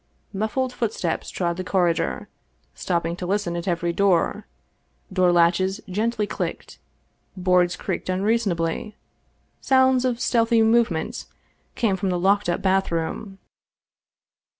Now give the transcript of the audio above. Muffled footsteps trod the corridor, stopping to listen at every door, door latches gently clicked, boards creaked unreasonably, sounds of stealthy movements came from the locked up bathroom.